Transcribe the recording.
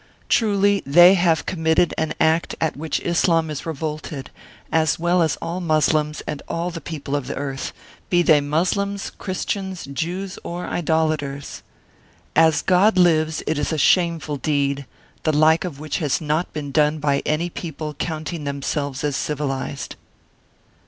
Truly, they have committed an act at which Islam is revolted, as well as all Moslems and all the peoples of the earth, be they Moslems, Christians, Jews, or idolaters. As God lives, it is a shameful deed, the like of which has not been done by any people counting them selves as civilised.